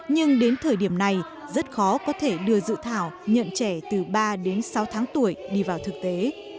nhưng đến thời điểm này rất khó có thể đưa dự thảo nhận trẻ từ ba đến sáu tháng tuổi đi vào thực tế